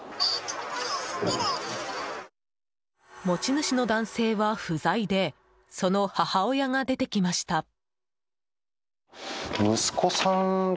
持ち主の男性は不在でその母親が出てきました。